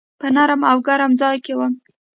په نرم او ګرم ځای کي وم .